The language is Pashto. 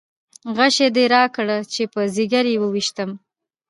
غشی دې راکړه چې په ځګر یې وویشتم.